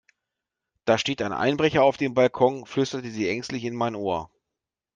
Da steht ein Einbrecher auf dem Balkon, flüsterte sie ängstlich in mein Ohr.